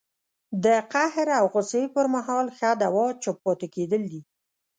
د قهر او غوسې پر مهال ښه دوا چپ پاتې کېدل دي